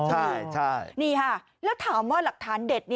ใช่นี่ค่ะแล้วถามว่าหลักฐานเด็ด